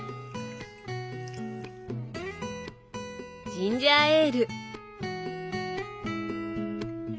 ジンジャーエール！